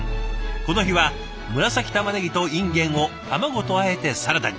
この日は紫たまねぎとインゲンを卵とあえてサラダに。